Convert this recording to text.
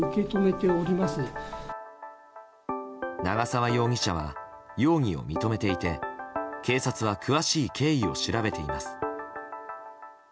長沢容疑者は容疑を認めていて警察は詳しい経緯を調べています。